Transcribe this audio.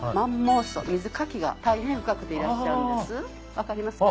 分かりますか？